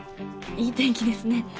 「いい天気ですね」